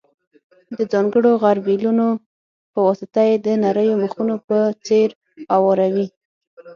د ځانګړو غربیلونو په واسطه یې د نریو مخونو په څېر اواروي.